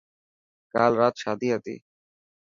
ڪال رات شادي هتي.